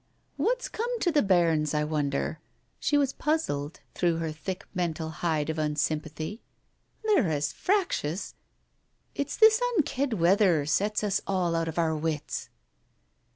"What's come to the bairns, I wonder?" She was puzzled, through her thick mental hide of unsympathy. "They're as fractious I It's this unked weather sets us all out of our wits."